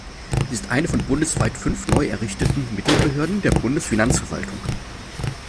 Sie ist eine von bundesweit fünf neu errichteten Mittelbehörden der Bundesfinanzverwaltung.